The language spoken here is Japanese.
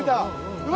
うわ！